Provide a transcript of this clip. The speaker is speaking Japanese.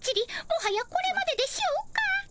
もはやこれまででしょうか。